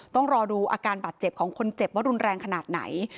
ต้องรอดูอาการบาดเจ็บของคนเจ็บว่ารุนแรงขนาดไหน